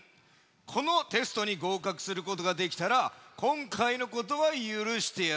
このテストにごうかくすることができたらこんかいのことはゆるしてやろう。